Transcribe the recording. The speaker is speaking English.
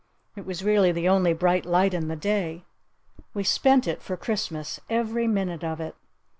It was really the only bright light in the day. We spent it for Christmas. Every minute of it.